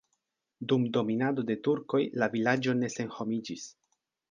Dum dominado de turkoj la vilaĝo ne senhomiĝis.